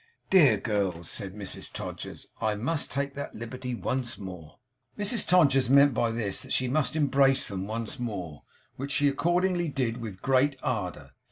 'Dear girls!' said Mrs Todgers. 'I must take that liberty once more.' Mrs Todgers meant by this that she must embrace them once more, which she accordingly did with great ardour.